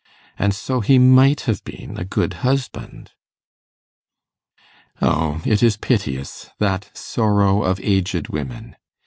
And so he might have been a good husband.' O it is piteous that sorrow of aged women!